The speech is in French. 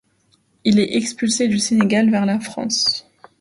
Il est expulsé du Sénégal vers la France.